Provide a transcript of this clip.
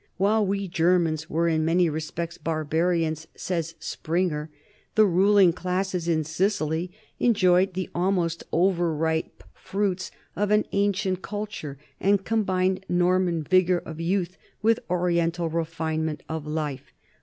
"While we Germans were in many respects barbarians," says Springer, "the ruling classes in Sicily enjoyed the almost over ripe fruits of an ancient culture and combined Norman vigor of youth with Oriental refinement of life."